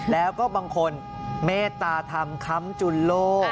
แล้วก็บางคนเมตตาธรรมคำจุลโล